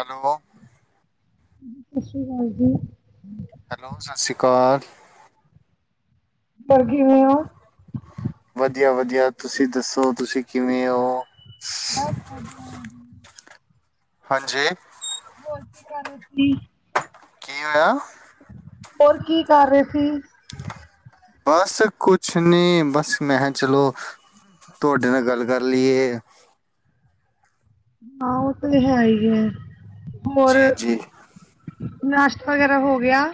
Hello, ਸਸ ਰੀ ਕਾਲ ਜੀ। ਹੈਲੋ, ਸਾਸਰੀ ਕਾਰ। ਹੋਰ ਕਿਵੇਂ ਓਂ। ਵਦੀਆ-ਵਦੀਆ ਤੁਸੀਂ ਦੱਸੋ ਤੁਸੀਂ ਕਿਵੇਂ ਓਂ। [inaudible] ਹਾਂਜੀ। ਹੋਰ ਕੀ ਕਰ ਰਏ ਸੀ। ਕੀ ਹੋਏਆ? ਹੋਰ ਕੀ ਕਰ ਰਏ ਸੀ। ਬਸ ਕੁਛ ਨੀ ਬਸ ਮੈਂ ਖਾਂ ਚਲੋ ਤੁਆਡੇ ਨਾਲ ਗੱਲ ਕਰ ਲਈਏ। ਹਾਂ ਓ ਤੇ ਹੈਈ ਐ, ਹੋਰ ਜੀ ਜੀ। ਨਾਸ਼ਤਾ ਵਗੈਰਾ ਹੋ ਗੇਆ।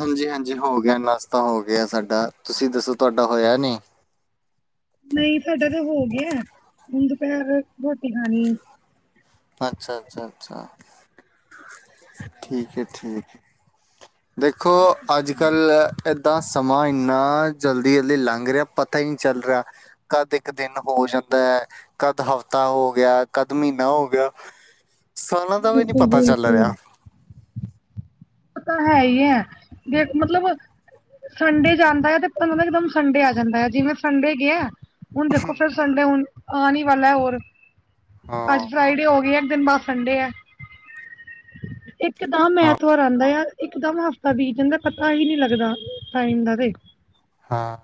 ਹਾਂਜੀ-ਹਾਂਜੀ ਹੋ ਗੇਆ ਨਾਸ਼ਤਾ ਹੋ ਗੇਆ ਸਾਡਾ ਤੁਸੀਂ ਦੱਸੋ ਤੁਆਡਾ ਹੋਏਆ ਨਈਂ। ਨਈ ਸਾਡਾ ਤਾਂ ਹੋ ਗੇਆ, ਹੁਨ ਦੁਪੈਰ ਰੋਟੀ ਖਾਨੀ ਏ। ਅੱਛਾ-ਅੱਛਾ-ਅੱਛਾ, ਠੀਕ ਏ ਠੀਕ ਏ। ਦੇਖੋ, ਹੋਰ ਅੱਜ ਸੁਣਾਓ? ਕੱਲ੍ਹ ਏਦਾਂ ਸਮਾਂ ਏੰਨਾ ਜਲਦੀ-ਜਲਦੀ ਲੰਘ ਰਿਹਾ ਪਤਾ ਨੀਂ ਚੱਲ ਰਿਹਾ ਕਦ ਇੱਕ ਦਿਨ ਹੋ ਜਾਂਦਾ ਐ ਕੱਦ ਹਫ਼ਤਾ ਹੋ ਗਿਆ, ਕੱਦ ਮਹੀਨਾ ਹੋ ਗਿਆ ਸਾਲਾਂ ਦਾ ਵੀ ਨੀ ਬਿਲਕੁਲ ਪਤਾ ਚੱਲ ਬਿਲਕੁਲ ਰੇਹਾ ਤਾਂ ਹੈ ਈ ਐ ਜੇ ਮਤਲਬ ਸੰਡੇ ਜੇ ਆੰਦਾ ਏ ਤੇ ਇੱਕ ਦਮ ਸੰਡੇ ਆ ਜਾਂਦਾ ਆ ਜਿਵੇਂ ਸੰਡੇ ਗਿਆ ਹੁਨ ਦੇਖੋ ਫਿਰ ਸੰਡੇ ਹੁਨ ਆਨ ਈ ਵਾਲਾ ਹੋਰ ਅੱਜ ਹਾਂ ਫਰਾਈਡੇ ਹੋ ਗਈ ਇੱਕ ਦਿਨ ਬਸ ਸੰਡੇ ਐ ਇੱਕਦਮ ਹਾਂ ਐਤਵਾਰ ਯਾਰ ਇਕ ਦਮ ਹਫ਼ਤਾ ਬੀਤ ਜਾਂਦਾ ਪਤਾ ਈ ਨੀ ਲੱਗਦਾ ਟਾਈਮ ਦਾ ਤੇ ਹਾਂ।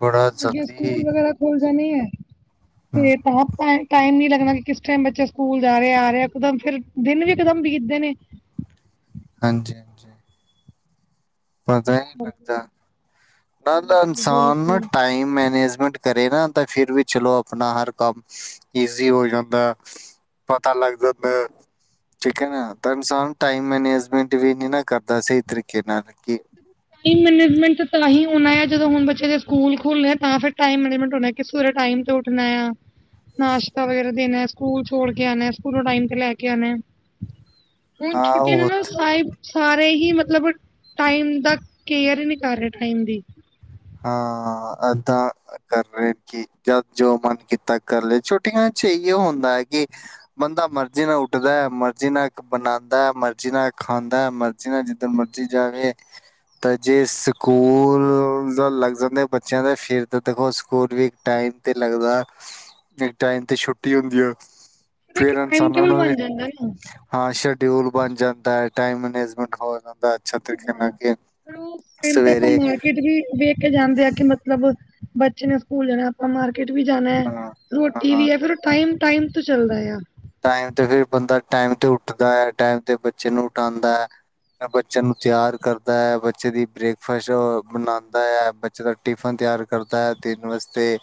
ਬੜਾ ਅੱਗੇ ਸਕੂਲ ਜਲਦੀ ਵਗੈਰਾ ਖੁਲ ਜਾਂਨੇ ਏ ਹਮ, ਤੇ ਤਾ ਟਾਈਮ ਨੀ ਲੱਗਨਾ ਕਿ ਕਿਸ ਟਾਈਮ ਬੱਚੇ ਸਕੂਲ ਜਾ ਰਿਹੇ ਆ ਰਿਹੇ ਆ ਇਕਦਮ ਫਿਰ ਦਿਨ ਵੀ ਇਕਦਮ ਬੀਤਦੇ ਨੇ ਹਾਂਜੀ-ਹਾੰਜੀ ਪਤਾ ਈ ਲੱਗਦਾ ਨਾ ਤਾਂ ਇਨਸਾਨ ਨਾ ਬਿਲਕੁਲ ਟਾਈਮ ਮੈਨੇਜਮੈਂਟ ਕਰੇ ਨਾ ਤਾਂ ਫਿਰ ਵੀ ਚਲੋ ਅਪਨਾ ਹਰ ਕੰਮ ਈਜ਼ੀ ਹੋ ਜਾਂਦਾ ਪਤਾ ਲੱਗ ਜਾਂਦਾ ਐ ਠੀਕ ਹੈ ਨਾ ਤਾਂ ਇਨਸਾਨ ਟਾਈਮ ਮੈਨੇਜਮੈਂਟ ਵੀ ਨੀ ਨਾ ਕਰਦਾ ਸਹੀ ਤਰੀਕੇ ਨਾਲ ਕਿ ਟਾਈਮ ਮੈਨੇਜਮੈਂਟ ਤਾਂ ਹੀ ਹੋਨਾ ਏ ਜਦੋਂ ਹੁਣ ਬੱਚੇ ਦੇ ਸਕੂਲ ਖੁੱਲ੍ਹਣੇ ਆ ਤਾਂ ਫਿਰ ਟਾਈਮ ਮੈਨੇਜਮੈਂਟ ਕਿ ਸਵੇਰੇ ਟਾਈਮ ਤੋਂ ਉੱਠਣਾ ਆ ਨਾਸ਼ਤਾ ਵਗੈਰਾ ਦੇਨਾ ਏ ਸਕੂਲ ਛੋੜ ਕੇ ਆਨਾ ਸਕੂਲ ਟਾਈਮ ਤੇ ਲੈ ਕੇ ਆਨਾ ਏ ਹੁਨ ਹਾਂ ਛੁੱਟੀਆਂ ਨੇ ਉਹ ਨਾ ਸਾਰੇ ਸਾਰੇ ਹੀ ਮਤਲਬ ਟਾਈਮ ਦਾ ਕੇਅਰ ਈ ਨੀ ਕਰ ਰਹੇ ਟਾਈਮ ਦੀ ਹਾਂ ਇੱਦਾ ਕਰ ਰਹੇ ਕਿ ਜਦ ਜੋ ਮਨ ਕੀਤਾ ਕਰ ਲਿਆ ਛੁੱਟੀਆਂ ਚ ਇਹੀਉ ਹੁੰਦਾ ਐ ਕਿ ਬੰਦਾ ਮਰਜੀ ਨਾਲ ਉੱਠਦਾ ਐ, ਮਰਜੀ ਨਾਲ ਬਨਾੰਦਾ ਐ ਮਰਜੀ ਨਾਲ ਖਾਂਦਾ ਮਰ ਜਿਵੇਂ ਜਿੰਦਾ ਮਰਜ਼ੀ ਜਾਵੇ ਤਾਂ ਜੇ ਸਕੂਲ ਜਦੋ ਲੱਗ ਜਾਂਦੇ ਬੱਚਿਆਂ ਦੇ ਫਿਰ ਤਾਂ ਦੇਖੋ ਸਕੂਲ ਵੀ ਟਾਈਮ ਤੇ ਲੱਗਦਾ ਤੇ ਟਾਈਮ ਤੇ ਛੁੱਟੀ ਹੁੰਦੀ ਆ ਇੱਕ ਫਿਰ ਟਾਈਮ ਇਨਸਾਨਾਂ ਟੇਬਲ ਨੂੰ ਵੀ ਬਣ ਜਾਂਦਾ ਨਾ। ਹਾਂ ਸ਼ਡਿਊਲ ਬਨ ਜਾਂਦਾ ਹੈ, ਟਾਈਮ ਮੈਨੇਜਮੈਂਟ ਹੋ ਜਾਂਦਾ ਅੱਛਾ ਤਰੀਕੇ ਨਾਲ ਕਿ [unintelligible] ਸਵੇਰੇ ਕਿਤੇ ਵੀ ਵੇਖ ਕੇ ਜਾਂਦੇ ਆ ਕਿ ਮਤਲਬ ਬੱਚੇ ਨੇ ਸਕੂਲ ਜਾਨਾ ਆਪਾਂ ਮਾਰ ਕੀਟ ਵੀ ਜਾਨਾ ਏ ਹਾਂ ਰੋਟੀ ਹਾਂ ਵੀ ਐ ਫਿਰ ਉਹ ਟਾਈਮ ਟਾਈਮ ਤੋਂ ਚੱਲਦਾ ਏ ਆ ਟਾਈਮ ਤੇ ਫਿਰ ਬੰਦਾ ਟਾਈਮ ਤੇ ਉੱਠਦਾ ਐ ਟਾਈਮ ਤੇ ਬੱਚੇ ਨੂੰ ਉਠਾੰਦਾ ਐ ਬੱਚਿਆਂ ਨੂੰ ਤਿਆਰ ਕਰਦਾ ਐ, ਬੱਚੇ ਦੀ ਬ੍ਰੇਕਫਾਸਟ ਬਨਾਦਾ ਐ ਜਦੋ ਟਿਫਨ ਤਿਆਰ ਕਰਦਾ ਐ ਦਿਨ ਵਾਸਤੇ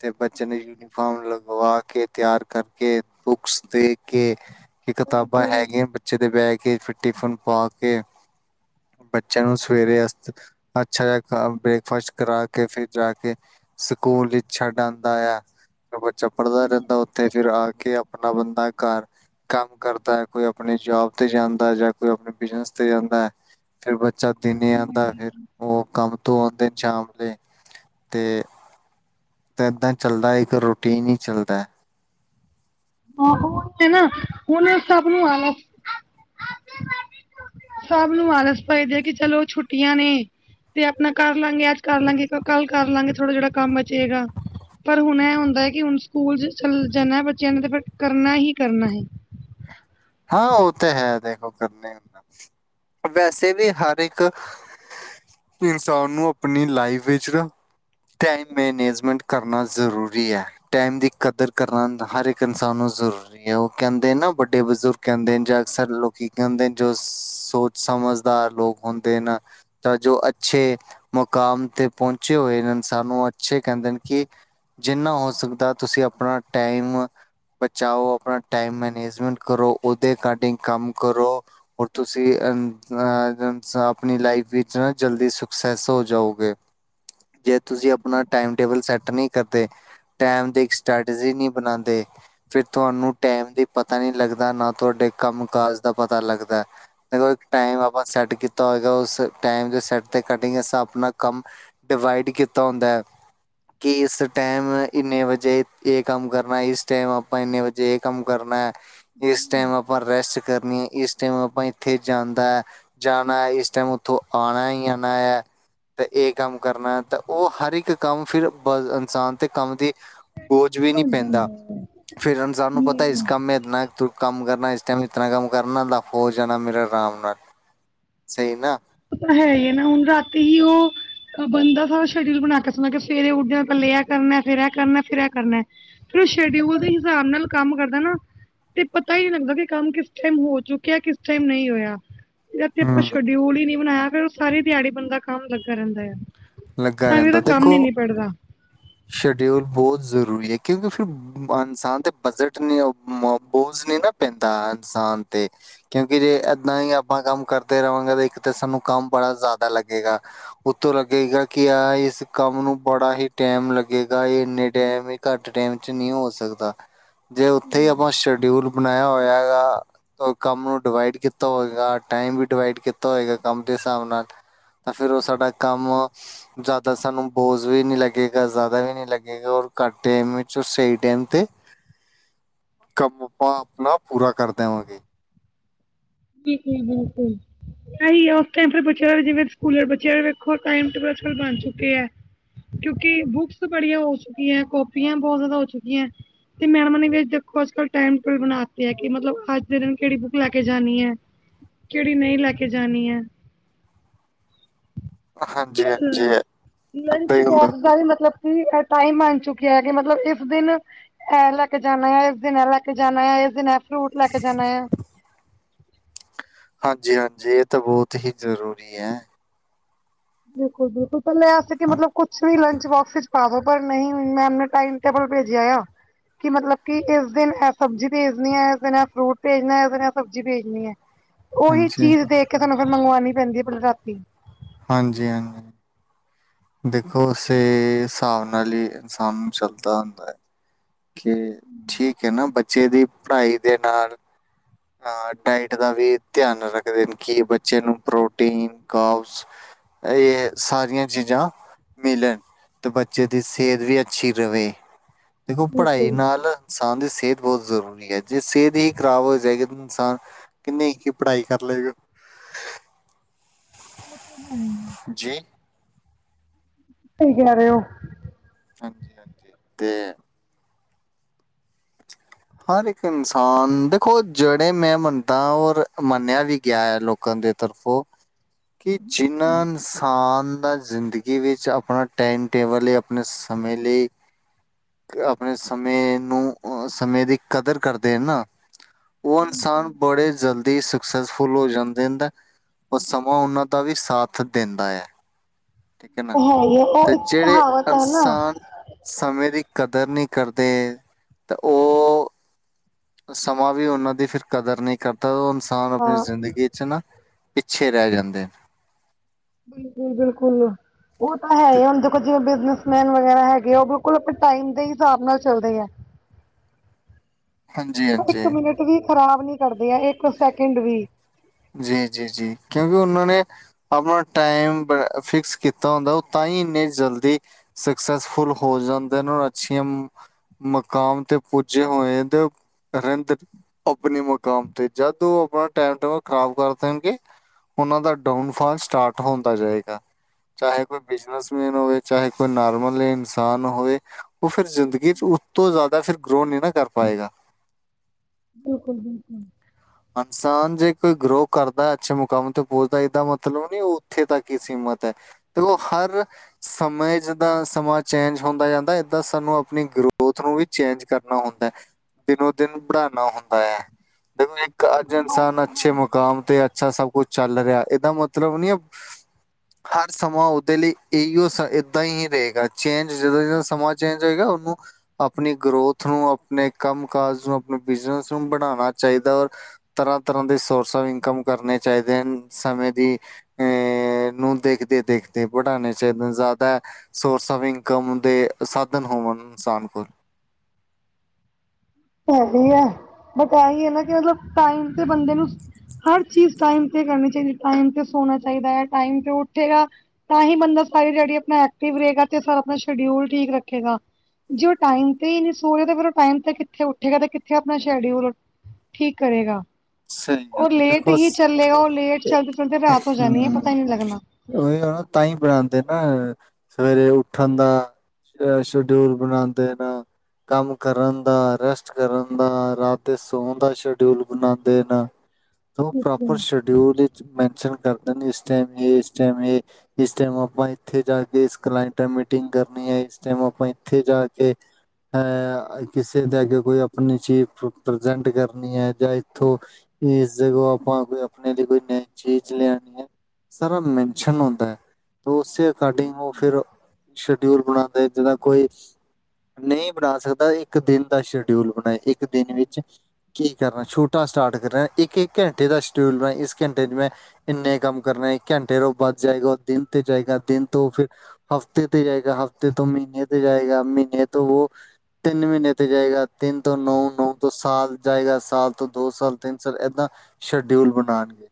ਤੇ ਬੱਚੇ ਨੇ ਯੂਨੀਫਾਰਮ ਲਗਵਾ ਕੇ ਤਿਆਰ ਕਰਕੇ ਬੁੱਕਸ ਦੇਖ ਕੇ ਇਹ ਕਿਤਾਬਾਂ ਹੈਗੀਆਂ ਬੱਚੇ ਦੇ ਬੈਗ ਚ ਫਿਰ ਟਿਫਨ ਪਾ ਕੇ ਬੱਚਿਆਂ ਨੂੰ ਸਵੇਰੇ ਅ ਅੱਛਾ ਜੇਆ ਕਮ ਬ੍ਰੈਕਫਾਸਟ ਕਰਾ ਕੇ ਫਿਰ ਜਾ ਕੇ ਸਕੂਲ ਵਿੱਚ ਛੱਡ ਆਉਂਦਾ ਆ ਫਿਰ ਬੱਚਾ ਪੜ੍ਹਦਾ ਰਹਿੰਦਾ ਉੱਥੇ ਫਿਰ ਆ ਕੇ ਆਪਨਾ ਬੰਦਾ ਘਰ ਕੰਮ ਕਰਦਾ ਐ ਕੋਈ ਆਪਨੀ ਜੋਬ ਤੇ ਜਾਂਦਾ ਜਾਂ ਕੋਈ ਆਪਨੇ ਬਿਜਨਸ ਤੇ ਜਾਂਦਾ ਐ ਫਿਰ ਬੱਚਾ ਦਿਨੇ ਆੰਦਾ ਫਿਰ ਉਹ ਕੰਮ ਤੋਂ ਆਉਂਦੇ ਨੇ ਸ਼ਾਮ ਦੇ, ਤੇ ਤੇ ਏਦਾਂ ਚੱਲਦਾ ਏ ਇਕ ਰੂਟੀਨ ਈ ਚੱਲਦੈ। ਹਾਂ ਓ ਨੇ ਨਾ ਉਨੇ ਸਭ ਨੂੰ ਆਲਸ [inaudible] ਸਭ ਨੂੰ ਆਲਸ ਪਏ ਦੇ ਕੀ ਚਲੋ ਛੁੱਟੀਆਂ ਨੇ 'ਤੇ ਆਪਣਾ ਕਰਲਾਂਗੇ, ਅੱਜ ਕਰਲਾਂਗੇ ਕ ਕੱਲ ਕਰਲਾਂਗੇ ਥੋੜਾ ਜੇੜਾ ਕੰਮ ਬਚੇਗਾ। ਪਰ ਹੁਣ ਐ ਹੁੰਦਾ ਐ ਕਿ ਹੁਣ ਸਕੂਲਜ ਚੱਲ ਜਾਣਾ ਐ ਬੱਚਿਆਂ ਨੇ 'ਤੇ ਫੇਰ ਕਰਨਾ ਹੀ, ਕਰਨਾ ਹੀ। ਹਾਂ ਓ ਤਾਂ ਹੈ ਦੇਖੋ ਕਰਨਾ ਨਾ ਵੈਸੇ ਵੀ ਹਰ ਇੱਕ ਇਨਸਾਨ ਨੂੰ ਆਪਣੀ ਲਾਈਫ ਵਿੱਚ ਨਾ ਟਾਈਮ ਮੈਨੇਜਮੈਂਟ ਕਰਨਾ ਜ਼ਰੂਰੀ ਐ। ਟਾਈਮ ਦੀ ਕਦਰ ਕਰਨਾ ਹਰ ਇੱਕ ਇਨਸਾਨ ਨੂੰ ਜ਼ਰੂਰੀ ਐ ਓ ਕੈਂਦੇ ਨਾ ਵੱਡੇ ਬਜ਼ੁਰ ਕੈਂਦੇ ਨੇ ਜਾਂ ਅਕਸਰ ਲੋਕੀ ਕੈਂਦੇ ਨ ਜੋ ਸੋਚ ਸਮਝਦਾਰ ਲੋਕ ਹੁੰਦੇ ਨਾ ਤਾਂ ਜੋ ਅੱਛੇ ਮੁਕਾਮ 'ਤੇ ਪਹੁੰਚੇ ਹੋਏ ਨਾ ਸਾਨੂੰ ਅੱਛੇ ਕੈਂਦੇ ਨੇ ਕਿ ਜਿੰਨਾ ਹੋ ਸਕਦਾ ਤੁਸੀਂ ਆਪਣਾ ਟਾਈਮ ਬਚਾਓ ਆਪਣਾ ਟਾਈਮ ਮੈਨੇਜਮੈਂਟ ਕਰੋ ਉਦੇ ਕਾਡਿਗ ਕੰਮ ਕਰੋ। ਹੋਰ ਤੁਸੀਂ ਅ ਆਪਣੀ ਲਾਈਫ ਵਿੱਚ ਨ ਜਲਦੀ ਸਕਸੈਸ ਹੋ ਜਾਓਗੇ। ਜੇ ਤੁਸੀਂ ਆਪਣਾ ਟਾਈਮ ਟੇਬਲ ਸੈਂਟ ਨੀ ਕਰਦੇ ਟਾਈਮ ਦੀ ਇੱਕ ਸਟੈਟਰਜੀ ਨੀ ਬਣਾਂਦੇ ਫਿਰ ਤੁਹਾਨੂੰ ਟਾਈਮ ਦੀ ਪਤਾ ਨੀ ਲੱਗਦਾ ਨਾ ਤੁਹਾਡੇ ਕੰਮ ਕਾਜ ਦਾ ਪਤਾ ਲੱਗਦੈ। ਜਦੋਂ ਟਾਈਮ ਆਪਾਂ ਸੈੱਟ ਕੀਤਾ ਹੋਏਗਾ ਉਸ ਟਾਈਮ ਦੇ ਸੈੱਟ 'ਤੇ ਕਟਿੰਗਸ ਆਪਣਾ ਕੰਮ ਡਿਵਾਈਡ ਕੀਤਾ ਹੁੰਦਾ ਐ ਕਿ ਇਸ ਟੈਮ ਇੰਨੇ ਵਜੇ ਏ ਕੰਮ ਕਰਨਾ, ਇਸ ਟੈਮ ਆਪਾਂ ਇੰਨੇ ਵਜੇ ਏ ਕੰਮ ਕਰਨੈ। ਇਸ ਟਾਈਮ ਆਪਾਂ ਰੈਸਟ ਕਰਨੀ ਆ ਇਸ ਟਾਈਮ ਆਪਾਂ ਇੱਥੇ ਜਾਂਦੈ। ਜਾਣਾ ਐ ਇਸ ਟਾਈਮ ਉੱਥੋਂ ਆਣਾ ਹੀ ਆਣਾ ਐ 'ਤੇ ਏ ਕੰਮ ਕਰਨਾ ਤਾਂ ਓ ਹਰ ਇੱਕ ਕੰਮ ਫਿਰ ਬ ਇਨਸਾਨ 'ਤੇ ਕੰਮ ਦੀ ਬੋਝ ਵੀ ਨੀ ਪੈਂਦਾ, ਫਿਰ ਇਨਸਾਨ ਨੂੰ ਪਤਾ ਇਸ ਕੰਮ ਮੇਰੇ ਨਾ ਤੂੰ ਕੰਮ ਕਰਨਾ ਇਸ ਟਾਈਮ ਇਤਰਾ ਕੰਮ ਕਰਨਾ ਲਫ ਹੋ ਜਾਣਾ ਮੇਰਾ ਰਾਮ ਨਾਲ, ਸਈ ਨਾ। ਹੈ ਈ ਆ ਨਾ ਹੁਣ ਰਾਤੀ ਹੀ ਹੋ ਅ ਬੰਦਾ ਸਾਰਾ ਸ਼ਡਿਊਲ ਬਣਾ ਕੇ ਸੌਦਾ ਕੇ ਸਵੇਰੇ ਉੱਠਦਿਆਂ ਪੈਲੇ ਐ ਕਰਨੈ, ਫੇਰ ਐ ਕਰਨੈ, ਫਿਰ ਐ ਕਰਨੈ। ਫਿਰ ਸ਼ਡਿਊਲ ਦੇ ਹਿਸਾਬ ਨਾਲ ਕੰਮ ਕਰਦਾ ਨਾ ਤੇ ਪਤਾ ਈ ਨੀ ਲੱਗਦਾ ਕਿ ਕੰਮ ਕਿਸ ਟਾਈਮ ਹੋ ਚੁੱਕਿਆ, ਕਿਸ ਟਾਈਮ ਨਈ ਹੋਇਆ। ਜਦ ਕਿ ਆਪਾਂ ਹੂੰ ਸ਼ਡਿਊਲ ਈ ਨੀ ਬਣਾਇਆ ਫਿਰ ਓ ਸਾਰੀ ਦਿਆੜੀ ਬੰਦਾ ਕੰਮ ਲੱਗਾ ਰੈਂਦਾ ਆ। ਲੱਗਾ ਤਾਂ ਵੀ ਉਦਾ ਰਹਿੰਦਾ ਕੰਮ ਨੀ ਦੇਖੋ ਨਿਬੜਦਾ। ਸ਼ਡਿਊਲ ਬੋ ਜ਼ਰੂਰੀ ਐ ਕਿਉਂਕਿ ਫਿਰ ਇਨਸਾਨ ਤੇ ਬਜਟ ਨੀ ਆਉ ਬੋਜ ਨੇ ਨਾ ਪੈਂਦਾ ਇਨਸਾਨ 'ਤੇ ਕਿਉਂਕਿ ਜੇ ਏਦਾਂ ਈ ਆਪਾਂ ਕੰਮ ਕਰਦੇ ਰਵਾਂਗੇ 'ਤੇ ਇੱਕ ਤੇ ਸਾਨੂੰ ਕੰਮ ਬੜਾ ਜਿਆਦਾ ਲੱਗੇਗਾ। ਉਤੋਂ ਲੱਗੇਗਾ ਕਿ ਆ ਇਸ ਕੰਮ ਨੂੰ ਬੜਾ ਹੀ ਟਾਈਮ ਲੱਗੇਗਾ ਏ ਇੰਨੇ ਟੈਮ ਈ ਘੱਟ ਟੈਮ 'ਚ ਨੀ ਹੋ ਸਕਦਾ। ਜੇ ਉੱਥੇ ਈ ਆਪਾਂ ਸ਼ਡਿਊਲ ਬਣਾਇਆ ਹੋਇਆ ਗਾ ਓ ਕੰਮ ਨੂੰ ਡਿਵਾਈਡ ਕੀਤਾ ਹੋਏਗਾ, ਟਾਈਮ ਵੀ ਡਿਵਾਈਡ ਕੀਤਾ ਹੋਏਗਾ ਕੰਮ ਦੇ ਹਿਸਾਬ ਨਾਲ ਤਾਂ ਫਿਰ ਓ ਸਾਡਾ ਕੰਮ ਜਿਆਦਾ ਸਾਨੂੰ ਬੋਝ ਵੀ ਨੀ ਲੱਗੇ ਗਾ ਜਿਆਦਾ ਵੀ ਨੀ ਲੱਗੇਗਾ ਔਰ ਘੱਟ ਟਾਈਮ ਵਿੱਚੋਂ ਸਈ ਟਾਈਮ ਤੇ ਕੰਮ ਆਪਾਂ ਆਪਣਾ ਪੂਰਾ ਕਰ ਦੇਵਾਂਗੇ। ਠੀਕ ਏ ਬਿਲਕੁੱਲ। ਆਈ ਉਸ ਟਾਇਮ ਫਿਰ ਬੱਚਿਆਂ ਦਾ ਵੀ ਜਿਵੇਂ ਸਕੂਲ ਆਲੇ ਬੱਚਿਆਂ ਦਾ ਵੇਖੋ‌ ਟਾਇਮ‌ ਟੇਬਲ ਅੱਜ-ਕੱਲ ਬਣ ਚੁੱਕੇ ਐ। ਕਿਉਂਕਿ ਬੁੱਕਸ ਬੜੀਆਂ ਹੋ ਚੁੱਕੀਆਂ ਐ, ਕੋਪੀਆਂ ਬੋ ਜਿਆਦਾ ਹੋ ਚੁੱਕੀਆਂ ਐ। ਤੇ ਮੈਡਮਾਂ ਨੇ ਵੇ ਦੇਖੋ ਅੱਜ-ਕੱਲ ਟੈਮ ਟੇਬਲ ਬਨਾ ਤੇ ਐ ਕਿ ਮਤਲਬ ਅੱਜ ਦੇ ਦਿਨ ਕੇੜੀ ਬੁੱਕ ਲੈ ਕੇ ਜਾਨੀ ਐ ਕੇੜੀ ਨਈ ਲੈ ਕੇ ਜਾਨੀ ਐ। ਹਾਂਜੀ ਹਾਂਜੀ ਅ ਏਦਾਂ ਲੰਚ ਹੀ ਹੁੰਦਾ ਬੋਕਸ ਗਏ ਮਤਲਬ ਕੀ ਐ ਟਾਈਮ ਬਨ ਚੁੱਕਿਐ ਕਿ ਮਤਲਬ ਇਸ ਦਿਨ ਐ ਲੈ ਜਾਨੈ, ਇਸ ਦਿਨ ਐ ਲੈ ਕੇ ਜਾਨੈ, ਇਸ ਦਿਨ ਐ ਫਰੂਟ ਲੈ ਕੇ ਜਾਨੈ ਹਾਂਜੀ-ਹਾਂਜੀ, ਏ ਤਾਂ ਬਹੁਤ ਹੀ ਜਰੂਰੀ ਐ। ਬਿਲਕੁਲ-ਬਿਲਕੁਲ, ਪੈਲੇ ਐ ਸੀ ਕਿ ਮਤਲਬ ਕੁਛ ਵੀ ਲੰਚ ਬੋਕਸ ਇੱਚ ਪਾ ਦੋ, ਪਰ ਨਈ ਮੈਂਮ ਨੇ ਟਾਈਮ ਟੇਬਲ ਭੇਜਿਆ ਏਆ ਕਿ ਮਤਲਬ ਕਿ ਏਸ ਦਿਨ ਐ ਸਬਜੀ ਭੇਜਨੀ ਐ, ਐਸ ਦਿਨ ਐ ਫਰੂਟ ਭੇਜਨੈ, ਐਸ ਦਿਨ ਐ ਸਬਜੀ ਭੇਜਨੀ ਏ। ਓਹੀ ਹਾਂਜੀ ਚੀਜ਼ ਦੇਖ ਕੇ ਸਾਨੂੰ ਫੇਰ ਮੰਗਵਾਨੀ ਪੈਂਦੀ ਏ ਪੇਲ ਰਾਤੀ। ਹਾਂਜੀ-ਹਾਂਜੀ। ਦੇਖੋ, ਉਸੇ ਸਾਬ ਨਾਲ ਈ ਇਨਸਾਨ ਚੱਲਦਾ ਹੁੰਦਾ ਐ। ਕਿ ਠੀਕ ਹੈ ਨਾ ਬੱਚੇ ਦੀ ਪੜਾਈ ਦੇ ਨਾਲ ਆ ਡਾਇਟ ਦਾ ਵੀ ਧਿਆਨ ਰੱਖਦੇ ਨੇ ਕਿ ਬੱਚੇ ਨੂੰ ਪ੍ਰੋਟੀਨ, ਕਾਬਜ਼ ਆ ਏਹ ਸਾਰੀਆਂ ਚੀਜਾਂ ਮਿਲਨ ਤੇ ਬੱਚੇ ਦੀ ਸੇਹਤ ਵੀ ਅੱਛੀ ਰਵੇ। ਦੇਖੋ ਪੜਾਈ ਬਿਲਕੁਲ। ਨਾਲ ਇਨਸਾਨ ਦੀ ਸੇਤ ਬੋਤ ਜ਼ਰੂਰੀ ਐ, ਜੇ ਸੇਤ ਈ ਖ਼ਰਾਬ ਹੋ ਜ਼ਾਏਗੀ ਤ ਇਨਸਾਨ ਕਿੰਨੀ ਕੀ ਪੜਾਈ ਕਰ ਲਏਗਾ। ਓ ਤੇ ਹੈ ਈ। ਜੀ ਕੀ ਕੈ ਰੇ ਓ? ਹਾਂਜੀ-ਹਾਂਜੀ ਤੇ ਹਰ ਇੱਕ ਇਨਸਾਨ ਦੇਖੋ, ਜੜੇ ਮੈਂ ਮੰਨਦਾਂ ਔਰ ਮੰਨਿਆ ਵੀ ਗਿਆ ਐ ਲੋਕਾਂ ਦੇ ਤਰਫੋ ਕਿ ਜਿੰਨਾਂ ਇਨਸਾਨ ਦਾ ਜ਼ਿੰਦ ਗੀ ਵਿੱਚ ਆਪਨਾ ਟਾਈਮ ਟੇਬਲ ਏ ਆਪਨੇ ਸਮੇਂ ਲਈ ਆਪਨੇ ਸਮੇਂ ਨੂੰ ਓ ਸਮੇਂ ਦੀ ਕਦਰ ਕਰਦੇ ਏ ਨਾ, ਓ ਇਨਸਾਨ ਬੜੇ ਜ਼ਲ ਦੀ ਸਕਸੈਸਫੁਲ ਹੋ ਜਾਂਦੇ ਐਂਦਾਂ ਔਰ ਸਮਾਂ ਓਨਾਂ ਦਾ ਵੀ ਸਾਥ ਦੇਂਦਾ ਏਯਾ। ਠੀਕ ਐ ਨਾ ਉਹ ਹੈ ਹੀ ਉਹ ਤੇ ਇੱਕ ਜੇੜੇ ਕਹਾਵਤ ਹੈ ਨਾ ਅਨਸਾਨ ਸਮੇਂ ਦੀ ਕਦਰ ਨੀ ਕਰਦੇ ਤ ਓ ਸਮਾਂ ਵੀ ਓਨਾਂ ਦੀ ਫਿਰ ਕਦਰ ਨੀ ਕਰਦਾ, ਓ ਇਨਸਾਨ ਆਪਨੀ ਹਾਂ ਜ਼ਿੰਦਗੀ 'ਚ ਨਾ ਪਿੱਛੇ ਰੈ ਜਾਂਦੇ ਨ। ਬਿਲਕੁਲ-ਬਿਲਕੁਲ, ਓ ਤਾਂ ਤੇ ਹੈ ਹੁਨ ਦੇਖੋਂ ਜਿਵੇਂ ਬਿਨਜਸ ਮੈਨ ਵਗੈਰਾ ਹੈਗੇ ਆ, ਓ ਬਿਲਕੁਲ ਆਪਨੇ ਟਾਈਮ ਦੇ ਹਿਸਾਬ ਨਾਲ ਚੱਲਦੇ ਆ। ਹਾਂਜੀ ਤੇ ਇੱਕ ਹਾਂਜੀ ਮਿਨਟ ਵੀ ਖ਼ਰਾਬ ਨੀ ਕਰਦੇ ਆ, ਏੱਕ ਓ ਸੈਕਿੰਡ ਵੀ। ਜੀ-ਜੀ-ਜੀ, ਕਿਓਂਕਿ ਓਨਾਂ ਨੇ ਆਪਨਾ ਟਾਈਮ ਬ ਫਿਕਸ ਕੀਤਾ ਹੁੰਦੈ, ਓ ਤਾਂਈ ਇੰਨੇ ਜ਼ਲਦੀ ਸਕਸੈਸਫੁਲ ਹੋ ਜ਼ਾਂਦੇ ਨਾ ਓ ਅੱਛੀ ਮ ਮਕਾਮ ਤੇ ਪੁੱਜੇ ਹੋਏਂ ਤੇ ਰੈਨ ਦੇ ਅ ਆਪਨੀ ਮਕਾਮ ਤੇ। ਜਦ ਓ ਆਪਨਾ ਟੈਮ ਟੇਬਲ ਖ਼ਰਾਬ ਕਰ ਦੇਨਗੇ ਓਨਾਂ ਦਾ ਡਾਊਨਫਾਲ ਸਟਾਰਟ ਹੁੰਦਾ ਜਾਏਗਾ। ਚਾਹੇ ਕੋਈ ਬਿਜਨਸਮੈਨ ਹੋਵੇ, ਚਾਹੇ ਕੋਈ ਨੋਰਮਲ ਇਨਸਾਨ ਹੋਏ ਓ ਫਿਰ ਜ਼ਿੰਦਗੀ 'ਚ ਉਤੋਂ ਜ਼ਿਆਦਾ ਫਿਰ ਗਰੋ ਨੀ ਨਾ ਕਰ ਪਾਏਗਾ। ਬਿਲਕੁਲ-ਬਿਲਕੁਲ। ਅਨਸਾਨ ਜੇ ਕੋਈ ਗਰੋ ਕਰਦੈ ਅੱਛੇ ਮੁਕਾਮ ਤੇ ਪੁੱਜਦੈ, ਏਦਾ ਮਤਲਬ ਨੀ ਓ ਉੱਥੇ ਤੱਕ ਈ ਸੀਮਤ ਐ। ਉਹ ਹਰ ਸਮੇ ਜਿੱਦਾਂ ਸਮਾਂ ਚੇਂਜ ਹੁੰਦਾ ਜਾਂਦਾ, ਏਦਾਂ ਸਾਨੂੰ ਆਪਣੀ ਗਰੋਥ ਨੂੰ ਵੀ ਚੇਂਜ ਕਰਨਾ ਹੁੰਦਾ, ਦਿਨੋ ਦਿਨ ਬੜਾਉਣਾ ਹੁੰਦਾ ਏ। ਜਿਵੇ ਅੱਜ ਇਨਸਾਨ ਅੱਛੇ ਮੁਕਾਮ ਤੇ ਅੱਛਾ ਸਭ ਕੁਛ ਚੱਲ ਰਿਹਾ, ਇਹਦਾ ਮਤਲਬ ਨੀ ਹਰ ਸਮਾਂ ਉਹਦੇ ਲਈ ਅਈਉ ਸ ਏਦਾਂ ਹੀ ਰਹੇਗਾ, ਚੇਂਜ ਜਦੋਂ- ਜਦੋਂ ਸਮਾਂ ਚੇਂਜ ਹੋਏਗਾ, ਉਹਨੂੰ ਆਪਣੀ ਗਰੋਥ ਨੂੰ, ਆਪਣੇ ਕੰਮ ਕਾਜ ਨੂੰ, ਆਪਣੇ ਬਿਜਨਸ ਨੂੰ ਬੜਾਉਣਾ ਚਾਹੀਦਾ। ਔਰ ਤਰ੍ਹਾਂ -ਤਰ੍ਹਾਂ ਦੇ ਸੋਰਸ ਆਫ ਇਨਕਮ ਕਰਨੇ ਚਾਹੀਦੇ ਹਨ। ਸਮੇਂ ਦੀ ਅਅ ਨੂੰ ਦੇਖਦੇ -ਦੇਖਦੇ ਬੜਾਉਣੇ ਚਾਹੀਦੇ। ਜ਼ਿਆਦਾ ਸੋਰਸ ਆਫ ਇਨਕਮ ਦੇ ਸਾਧਨ ਹੋਵਣ ਇਨਸਾਨ ਕੋਲ। ਹੈਗੀ ਹੈ, ਬਟ ਇਹੀ ਹੈ ਨਾ ਕਿ ਮਤਲਬ ਟਾਈਮ ਤੇ ਬੰਦੇ ਨੂੰ ਹਰ ਚੀਜ਼ ਟਾਈਮ ਤੇ ਕਰਨੀ ਚਾਹੀਦੀ, ਟਾਈਮ ਤੇ ਸੋਣਾ ਚਾਹੀਦਾ ਹੈ, ਟਾਈਮ ਤੇ ਉੱਠੇਗਾ ਤਾਂ ਹੀ ਬੰਦਾ ਸਾਰੀ ਦਿਹਾੜੀ ਆਪਣਾ ਐਕਟਿਵ ਰਹੇਗਾ ਤੇ ਸਾਰਾ ਆਪਣਾ ਸ਼ਡਿਊਲ ਠੀਕ ਰੱਖੇਗਾ। ਜੇ ਉਹ ਟਾਈਮ ਤੇ ਈ ਨਹੀਂ ਸੋਏਗਾ, ਫਿਰ ਉਹ ਟਾਈਮ ਤੇ ਕਿੱਥੇ ਉੱਠ ਠੇਗਾ ਤੇ ਕਿੱਥੇ ਆਪਣਾ ਸ਼ਡਿਊਲ ਠੀਕ ਕਰੇਗਾ। ਸਹੀ ਗੱਲ ਉਹ ਹੈ ਲੇਟ ਦੇਖੋ ਹੀ ਸ- ਚੱਲੇਗਾ, ਉਹ ਲੇਟ ਚੱਲਦੇ -ਚੱਲਦੇ ਰਾਤ ਹੋ ਜਾਣੀ ਹੈ ਹਮ ਪਤਾ ਹੀ ਨਹੀਂ ਲੱਗਣਾ। ਉਹੀ ਆ ਨਾ, ਤਈਂ ਬਣਾਉਂਦੇ ਨਾ ਸਵੇਰੇ ਉੱਠਣ ਦਾ ਆਏਂ ਸ਼ਡਿਊਲ ਬਣਾ ਦੇਣਾ। ਕੰਮ ਕਰਨ ਦਾ, ਰੈਸਟ ਕਰਨ ਦਾ, ਰਾਤ ਦੇ ਸੌਣ ਦਾ ਸ਼ਡਿਊਲ ਬਣਾਂਦੇ। ਤੇ ਨਾ ਓਹ ਪ੍ਰੋਪਰ ਸ਼ਡ ਡਿਊਲ ਮੈਨਸ਼ਨ ਕਰਦੇ ਨੇ, ਇਸ ਟਾਈਮ ਏ, ਇਸ ਟੈਮ ਏ। ਇਸ ਟਾਈਮ ਆਪਾਂ ਇੱਥੇ ਜਾ ਕੇ ਇਸ ਕਲਾਇੰਟ ਨਾਲ ਮੀਟਿੰਗ ਕਰਨੀ ਹੈ, ਇਸ ਟਾਈਮ ਆਪਾਂ ਇੱਥੇ ਜਾ ਕੇ ਹੈ, ਕਿਸੇ ਦੇ ਅਗੇ ਕੋਈ ਆਪਣੀ ਚੀਜ਼ ਪ੍ਰਜੈਂਟ ਕਰਨੀ ਹੈ ਜਾਂ ਥੋਂ ਇਸ ਜਗੋਂ ਆਪਾਂ ਕੋਈ ਆਪਣੇ ਲਈ ਕੋਈ ਨਈ ਚੀਜ਼ ਲੈਣੀ ਆ। ਸਾਰਾ ਮੈਨਸ਼ਨ ਹੁੰਦੈ, ਉਸੇ ਅਕੋਡਿੰਗ ਉਹ ਫਿਰ ਡਿਊਲ ਬਣਾਂਦੇ ਜਿਹੜਾ ਕੋਈ ਨਹੀਂ ਬਣਾ ਸਕਦਾ ਇੱਕ ਦਿਨ ਦਾ ਸ਼ਡਿਊਲ, ਬਣਾਏ ਇੱਕ ਦਿਨ ਵਿੱਚ ਕੀ ਕਰਨਾ ਛੋ ਟਾਂ ਸਟਾਟ ਕਰਾ ਇੱਕ -ਇੱਕ ਘੰਟੇ ਸ਼ਡਿਊਲ ਬਣਾ, ਇਸ ਘੰਟੇ 'ਚ ਮੈਂ ਇੰਨੇ ਕੰਮ ਕਰਨੇ, ਘੰਟੇ ਤੋਂ ਵੱਧ ਜਾਏਗਾ ਦਿਨ ਤੇ ਜਾਏਗਾ, ਦਿਨ ਤੋਂ ਫਿਰ ਹਫ਼ਤੇ ਤੇ ਜਾਏਗਾ, ਹਫ਼ਤੇ ਤੋਂ ਮਹੀਨੇ ਤੇ ਜਾਏਗਾ, ਮਹੀਨੇ ਤੋਂ ਉਹ ਤਿੰਨ ਮਹੀਨੇ ਤੇ ਜਾਏਗਾ, ਤਿੰਨ ਤੋਂ ਨੌ, ਨੌ ਤੋਂ ਸਾਲ ਜਾਏਗਾ, ਸਾਲ ਤੋਂ ਦੋ ਸਾਲ ਤਿੰਨ ਸਾਲ ਏਦਾਂ ਸ਼ਡਿਊਲ ਬਣਾ ਲੀਏ।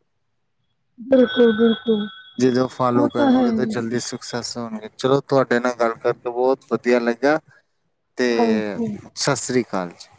ਬਿਲਕੁਲ -ਬਿਲਕੁਲ! ਜਿੱਦਾਂ ਉਹ ਫਾਲੋ ਕਰਨਗੇ ਤਾਂ ਜਲਦੀ ਸੈਸ ਹੋਣਗੇ, ਚਲੋ ਤੁਹਾਡੇ ਨਾਲ ਗੱਲ ਕਰਕੇ ਬਹੁਤ ਵਧੀਆ ਲੱਗਾ। ਤੇ ਸੱਸਰੀ ਕਾਲ ਜੀ।